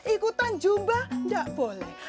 ikutan jumba enggak boleh